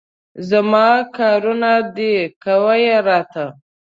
زما کارونه دي، کوه یې راته.